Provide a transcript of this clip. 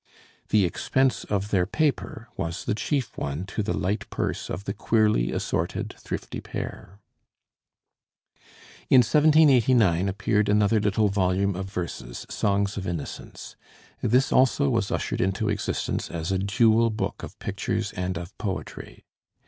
The expense of their paper was the chief one to the light purse of the queerly assorted, thrifty pair. In 1789 appeared another little volume of verses, 'Songs of Innocence.' This also was ushered into existence as a dual book of pictures and of poetry.